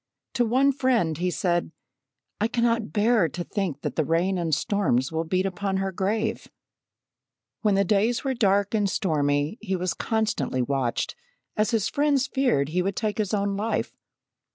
To one friend he said: "I cannot bear to think that the rain and storms will beat upon her grave." When the days were dark and stormy he was constantly watched, as his friends feared he would take his own life.